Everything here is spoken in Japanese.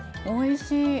おいしい。